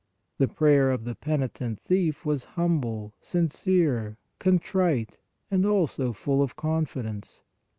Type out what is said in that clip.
The prayer of the penitent thief was hum ble, sincere, contrite and also full of confidence.